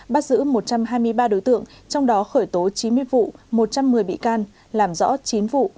bắt giữ một trăm hai mươi ba đối tượng trong đó khởi tố chín mươi vụ một trăm một mươi bị can làm rõ chín vụ